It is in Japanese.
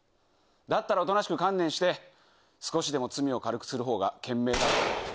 だったらおとなしく観念して、少しでも罪を軽くするほうが賢明だ。